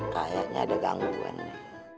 kayaknya ada gangguan nih